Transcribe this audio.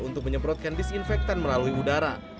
untuk menyemprotkan disinfektan melalui udara